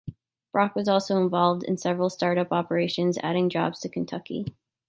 Brock was also involved in several start-up operations adding jobs to Kentucky.